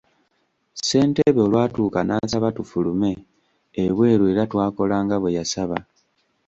Ssentebe olwatuuka n'asaba tufulume ebweru era twakola nga bwe yasaba.